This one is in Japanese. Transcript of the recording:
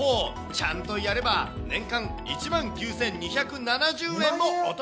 ちゃんとやれば、年間１万９２７０円もお得。